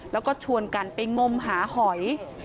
แล้วก็ชวนกันไปงมหาหอย